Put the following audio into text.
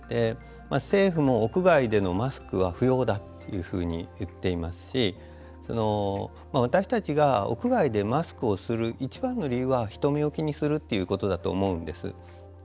政府も屋外でのマスクは不要だというふうに言っていますし私たちが屋外でマスクをする一番の理由は人目を気にするということだと思うんです。